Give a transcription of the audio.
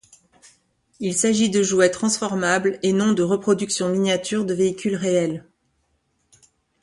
Il s'agit de jouets transformables et non de reproduction miniature de véhicules réels.